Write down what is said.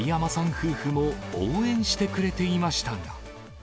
夫婦も応援してくれていましたが。